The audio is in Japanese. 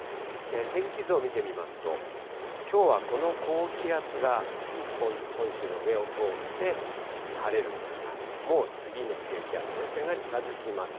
天気図を見てみますと、きょうはこの高気圧が、日本、本州の上を通って晴れるんですが、もう次の低気圧、前線が近づきます。